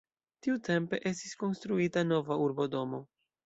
Tiutempe estis konstruita nova urbodomo.